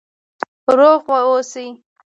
روغ اوسئ؟